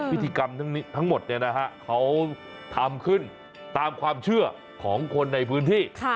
พิธีกรรมทั้งหมดเขาทำขึ้นตามความเชื่อของคนในพื้นที่